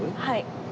はい。